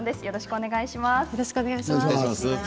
よろしくお願いします。